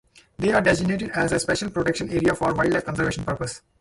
They are designated as a Special Protection Area for wildlife conservation purposes.